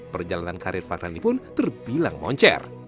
perjalanan karir fadhani pun terbilang moncer